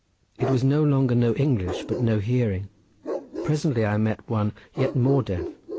It was no longer no English, but no hearing. Presently I met one yet more deaf.